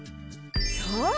そう！